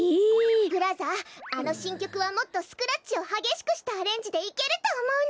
ブラザーあのしんきょくはもっとスクラッチをはげしくしたアレンジでいけるとおもうの。